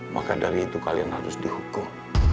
maka dari itu kalian harus dihukum